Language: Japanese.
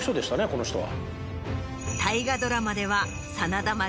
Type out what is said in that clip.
この人は。